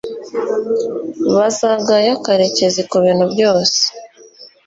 bazagaya karekezi kubintu byose